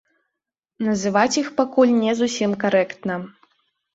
Называць іх пакуль не зусім карэктна.